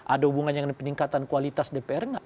ada hubungannya dengan peningkatan kualitas dpr nggak